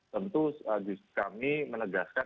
tentu kami menegaskan